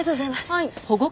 はい。